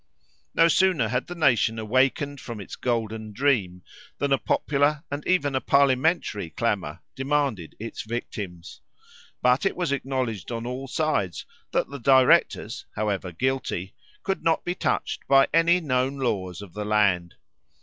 No sooner had the nation awakened from its golden dream, than a popular and even a parliamentary clamour demanded its victims; but it was acknowledged on all sides, that the directors, however guilty, could not be touched by any known laws of the land.